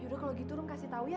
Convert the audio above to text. yaudah kalo gitu lo kasih tau ya